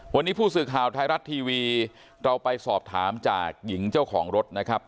วันนี้ผู้สื่อข่าวไทยรัฐทีวีเราไปสอบถามจากหญิงเจ้าของรถนะครับ